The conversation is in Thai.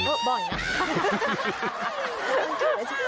เบาะบอกอย่างนั้น